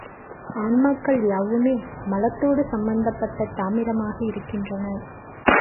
ஆன்மாக்கள் யாவுமே மலத்தோடு சம்பந்தப்பட்ட தாமிரமாக இருக்கின்றன.